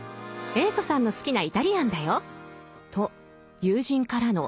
Ａ子さんの好きなイタリアンだよ」と友人からの甘い誘惑。